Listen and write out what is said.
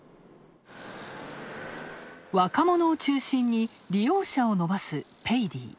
若者を中心に利用者を伸ばすペイディ。